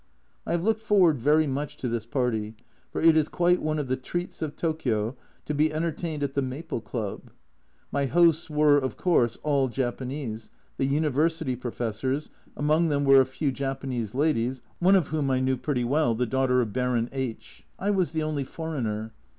I have looked forward very much to this party, for it is quite one of the treats of Tokio to be entertained at the Maple Club. My hosts were, of course, all Japanese, the University Professors, among them were a few Japanese ladies, one of whom I knew pretty well, the daughter of Baron H . I was the only foreigner.